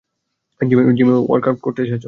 জিমে ওয়ার্কআউট করতে এসেছ?